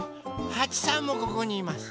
はちさんもここにいます。